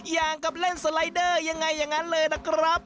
อย่างกับเล่นสไลเดอร์ยังไงอย่างนั้นเลยนะครับ